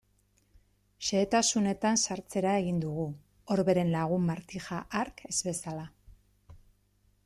Xehetasunetan sartzera egin dugu, Orberen lagun Martija hark ez bezala.